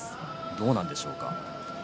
どうなんでしょうか？